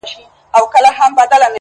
لـــكــه ښـــه اهـنـــگ!